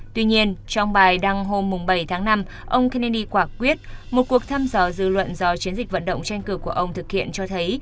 tuy nhiên trong bài đăng hôm bảy tháng năm ông kennedy quả quyết một cuộc thăm dò dư luận do chiến dịch vận động tranh cử của ông thực hiện cho thấy